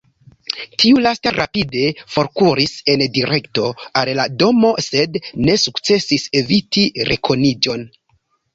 Tiu lasta rapide forkuris en direkto al la domo, sed ne sukcesis eviti rekoniĝon.